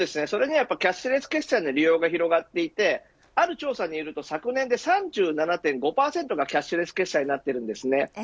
それにはキャッシュレス決済の利用が広がっていてある調査によると昨年で３７．５％がキャッシュレス決済になっています。